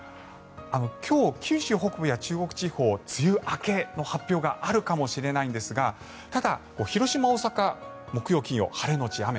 今日、九州北部や中国地方梅雨明けの発表があるかもしれないんですがただ、広島、大阪は木曜、金曜は晴れのち雨。